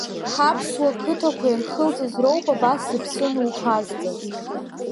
Ҳаԥсуа қыҭақәа ирхылҵыз, роуп абас зыԥсы нухазҵаз.